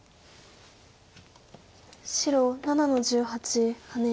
白７の十八ハネ。